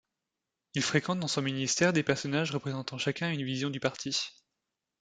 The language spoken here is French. Il fréquente dans son Ministère des personnages représentant chacun une vision du Parti.